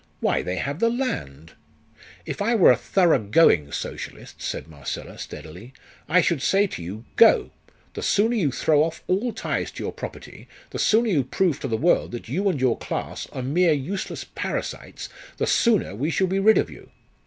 Why, they have the land." "If I were a thorough going Socialist," said Marcella, steadily, "I should say to you, Go! The sooner you throw off all ties to your property, the sooner you prove to the world that you and your class are mere useless parasites, the sooner we shall be rid of you.